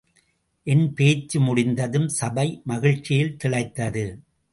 என் பேச்சு முடிந்ததும் சபை மகிழ்ச்சியில் திளைத்தது.